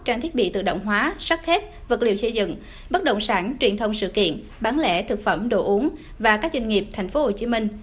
trang thiết bị tự động hóa sắt thép vật liệu xây dựng bất động sản truyền thông sự kiện bán lẻ thực phẩm đồ uống và các doanh nghiệp tp hcm